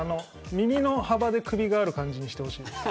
耳の幅で首がある感じにしてほしいです。